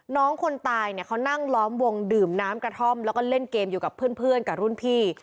น้องคนตายเนี่ยเขานั่งล้อมวงดื่มน้ำกระท่อมแล้วก็เล่นเกมอยู่กับเพื่อนกับรุ่นพี่